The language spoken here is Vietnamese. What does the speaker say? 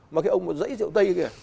mà cái ông dãy rượu tây kìa